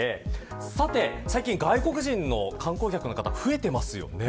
最近、外国人の観光客の方増えていますよね。